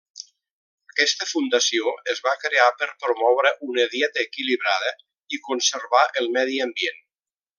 Aquesta fundació es va crear per promoure una dieta equilibrada i conservar el medi ambient.